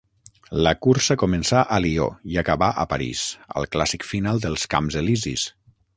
La cursa començà a Lió i acabà a París, al clàssic final dels Camps Elisis.